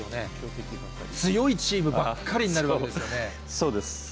強いチームばっかりになるわそうです。